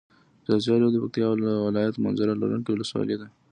ځاځي اريوب د پکتيا ولايت منظره لرونکي ولسوالي ده.